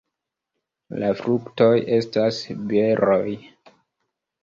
La fruktoj estas beroj.